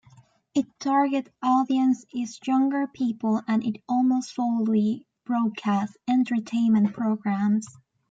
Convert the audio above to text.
It target audience is younger people and it almost solely broadcasts entertainment programmes.